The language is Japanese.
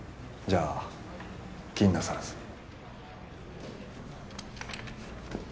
じゃあ気になさらず。